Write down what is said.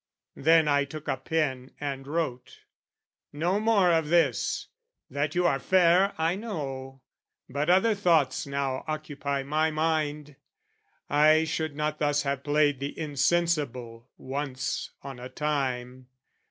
Then I took a pen and wrote. "No more of this! That you are fair, I know: "But other thoughts now occupy my mind. "I should not thus have played the insensible "Once on a time.